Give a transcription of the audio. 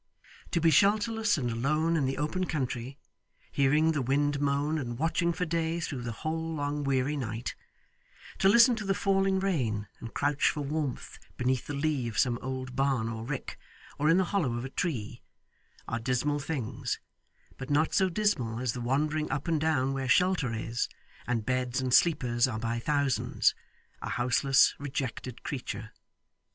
To be shelterless and alone in the open country, hearing the wind moan and watching for day through the whole long weary night; to listen to the falling rain, and crouch for warmth beneath the lee of some old barn or rick, or in the hollow of a tree; are dismal things but not so dismal as the wandering up and down where shelter is, and beds and sleepers are by thousands; a houseless rejected creature.